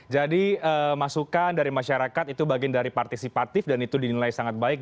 masukan dari masyarakat itu bagian dari partisipatif dan itu dinilai sangat baik